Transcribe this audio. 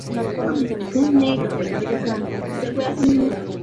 Prieto dejó entrever su repugnancia y añadió “Suicidarse sería una estupidez.